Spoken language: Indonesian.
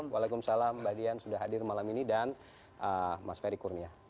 waalaikumsalam mbak dian sudah hadir malam ini dan mas ferry kurnia